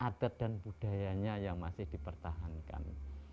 adat dan budayanya yang masih dipertahankan